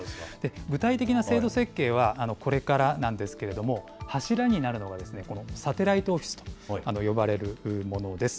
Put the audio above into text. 具体的な制度設計はこれからなんですけれども、柱になるのが、このサテライトオフィスと呼ばれるものです。